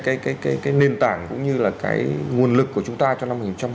cái nền tảng cũng như là cái nguồn lực của chúng ta cho năm hai nghìn hai mươi